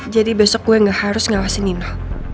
jadi besok gue gak harus ngawasin nino